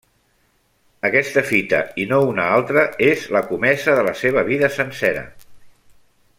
Aquesta fita, i no una altra, és la comesa de la seva vida sencera.